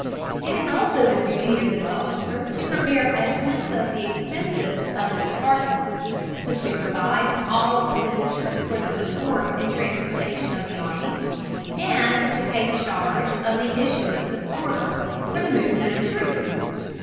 It is also the duty of this officer to prepare estimates of the expenses of his department, to supervise all expenditures for the support and transportation of the army, and to take charge of the issuance of orders for the movement of troops.